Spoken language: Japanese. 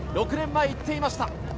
６年前に話していました。